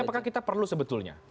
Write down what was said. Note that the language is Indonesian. apakah kita perlu sebetulnya